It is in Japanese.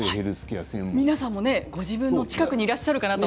皆さんもご自分の近くにいるかなと。